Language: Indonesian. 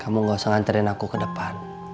kamu gak usah nganterin aku ke depan